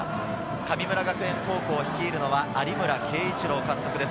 神村学園高校を率いるのは有村圭一郎監督です。